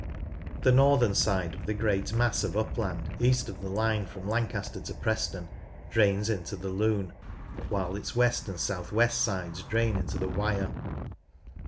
The northern side of the great mass of upland east of the line from Lancaster to Preston drains into the Lune, while its west and south west sides drain into the Wyre.